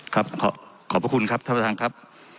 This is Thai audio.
ครับขอบคุณครับท่านประธานครับ